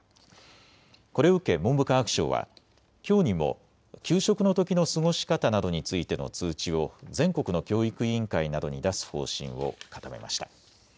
これを受け文部科学省はきょうにも給食のときの過ごし方などについての通知を全国の教育委員会などに出す方針を固めました。